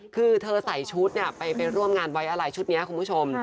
คือเธอใส่ชุดไปร่วมงานไว้อะไรชุดนี้คุณผู้ชม